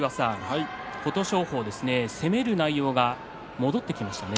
琴勝峰、攻める内容が戻ってきましたね。